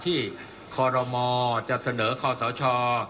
ที่คอรมจะเสนอคอสช